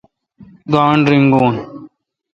گانٹھ رینگون؟